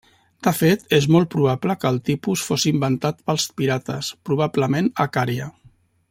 De fet, és molt probable que el tipus fos inventat pels pirates, probablement a Cària.